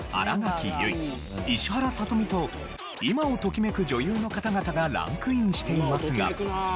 結衣石原さとみと今をときめく女優の方々がランクインしていますが。